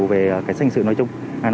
về cái xã hội sự nói chung